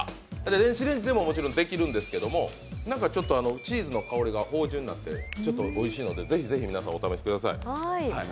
電子レンジでももちろんできるんですけど、チーズの香りが芳じゅんになってちょっとおいしいので、ぜひ皆さんお試しください。